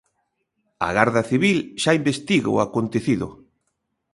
A Garda Civil xa investiga o acontecido.